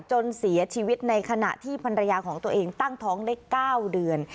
จนเสียชีวิตในขณะที่ภรรยาของตัวเองตั้งท้องได้๙เดือน